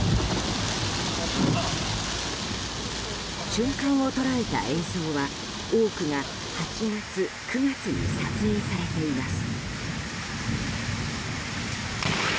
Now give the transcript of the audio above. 瞬間を捉えた映像は、多くが８月、９月に撮影されています。